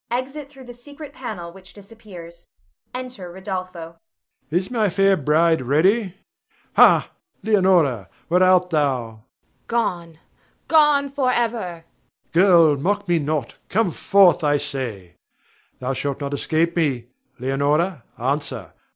[Exit through the secret panel, which disappears. Enter_ Rodolpho. Rod. Is my fair bride ready? Ha! Leonore, where art thou? Voice. Gone, gone forever! Rod. Girl, mock me not; come forth, I say. Thou shalt not escape me. Leonore, answer!